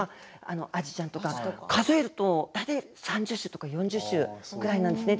アジちゃんとか数えると大体３０種とか４０種なんですね。